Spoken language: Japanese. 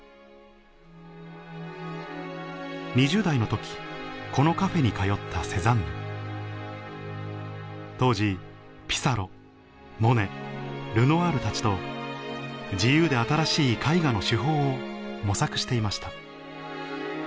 ２０代の時このカフェに通ったセザンヌ当時ピサロモネルノワールたちと自由で新しい絵画の手法を模索していました